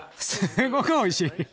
すごくおいしい！